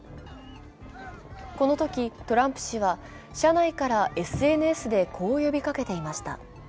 このときトランプ氏は、車内からＳＮＳでこう呼びかけていました。